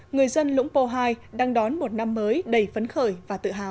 người dân lũng pô hai đang đón một năm mới đầy phấn khởi và tự hào